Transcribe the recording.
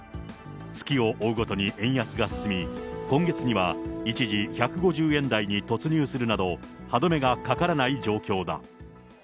月を追うごとに円安が進み、今月には一時１５０円台に突入するなど、歯止めがかからない状況だ。